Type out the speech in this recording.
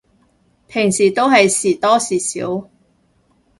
平時都係時多時少